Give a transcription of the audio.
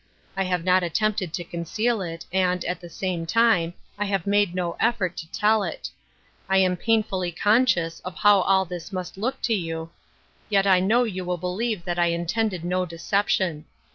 I have not attempted to conceal it, and, at the same time, I have made no effort to tell it. I am painfully conscious of how Shadowed Joys, 255 all this must look to you, yet I know you will believe that I intended no deception.